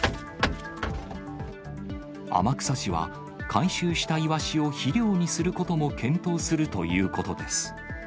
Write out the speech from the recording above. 天草市は回収したイワシを肥料にすることも検討するということです。